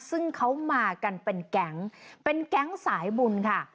ซึ่งเขามากันเป็นแก๊งเป็นแก๊งสายบุญค่ะ